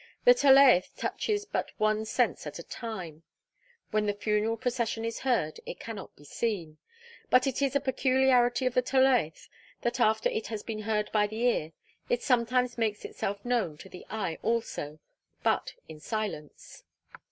The Tolaeth touches but one sense at a time. When this funeral procession is heard it cannot be seen. But it is a peculiarity of the Tolaeth that after it has been heard by the ear, it sometimes makes itself known to the eye also but in silence.